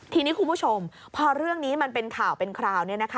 ทีนี้คุณผู้ชมพอเรื่องนี้มันเป็นข่าวเป็นคราว